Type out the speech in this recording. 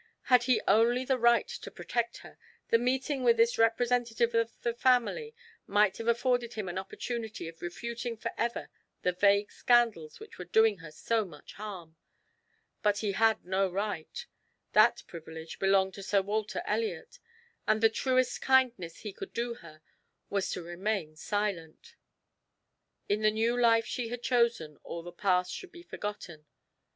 Had he only the right to protect her, the meeting with this representative of the family might have afforded him an opportunity of refuting for ever the vague scandals which were doing her so much harm; but he had no right; that privilege belonged to Sir Walter Elliot, and the truest kindness he could do her was to remain silent. In the new life she had chosen all the past should be forgotten.